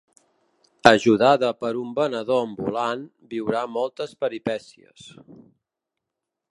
Ajudada per un venedor ambulant, viurà moltes peripècies.